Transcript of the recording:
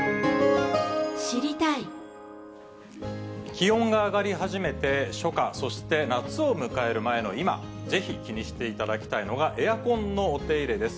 気温が上がり始めて初夏、そして夏を迎える前の今、ぜひ気にしていただきたいのが、エアコンのお手入れです。